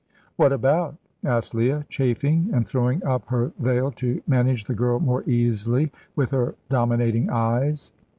"What about?" asked Leah, chafing, and throwing up her veil to manage the girl more easily with her dominating eyes.